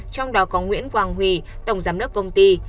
trong đó có nguyễn quang huy tổng giám đốc công ty